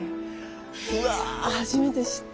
うわ初めて知った！